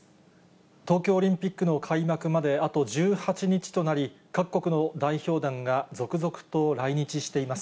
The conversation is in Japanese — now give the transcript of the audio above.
東京オリンピックの開幕まであと１８日となり、各国の代表団が続々と来日しています。